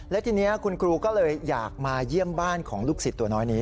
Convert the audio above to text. และทีนี้คุณครูก็เลยอยากมาเยี่ยมบ้านของลูกศิษย์ตัวน้อยนี้